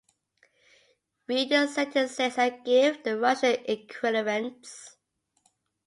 Read the sentences and give the Russian equivalents.